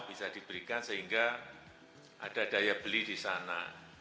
bisa diberikan sehingga ada daya beli di sana